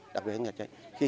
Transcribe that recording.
đặc biệt là cháy rừng